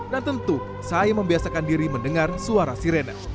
dan tentu saya membiasakan diri mendengar suara sirena